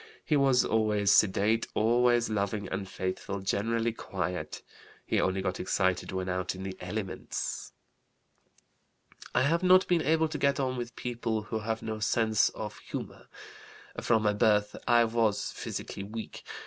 He was always sedate, always loving, and faithful; generally quiet. He only got excited when out in the elements.) I have not been able to get on with people who have no sense of humor. From my birth I was physically weak.